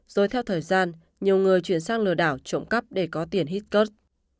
rồi theo thời gian nhiều người chuyển sang lừa đảo trộm cắp để có tiền hít cớt